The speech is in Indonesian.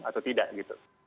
atau tidak gitu